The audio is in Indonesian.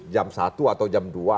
jam satu atau jam dua